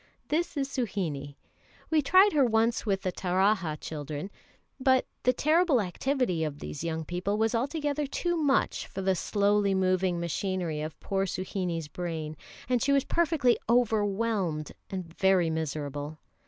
This is Suhinie. We tried her once with the Taraha children; but the terrible activity of these young people was altogether too much for the slowly moving machinery of poor Suhinie's brain, and she was perfectly overwhelmed and very miserable.